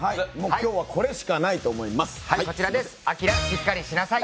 今日は、これしかないと思います。